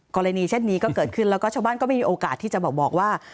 กรณีเช่นนี้ก็เกิดขึ้นแล้วก็ชาวบ้านก็ไม่มีโอกาสที่จะบอกว่า